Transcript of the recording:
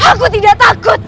aku tidak takut